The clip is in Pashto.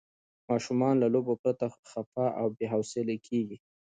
ماشومان له لوبو پرته خفه او بې حوصله کېږي.